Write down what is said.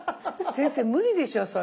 先生無理でしょそれ。